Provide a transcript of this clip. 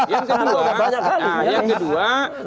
yang kedua yang kedua